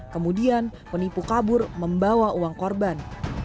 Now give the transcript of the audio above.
kemudian menipu kabur membawa uang korban